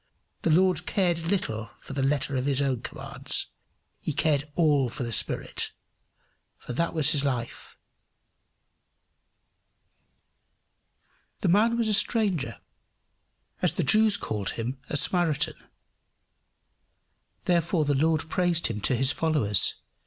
The Lord cared little for the letter of his own commands; he cared all for the spirit, for that was life. This man was a stranger, as the Jews called him, a Samaritan. Therefore the Lord praised him to his followers.